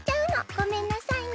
ごめんなさいね。